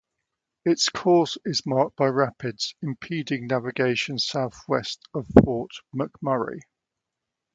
Its course is marked by rapids, impeding navigation southwest of Fort McMurray.